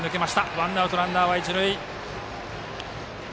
ワンアウト、ランナーは一塁。